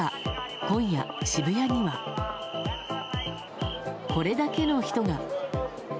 今夜、渋谷にはこれだけの人が。